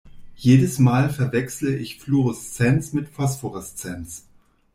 Jedes Mal verwechsle ich Fluoreszenz mit Phosphoreszenz.